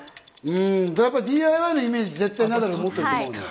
ＤＩＹのイメージ、絶対ナダル持ってると思うのよ。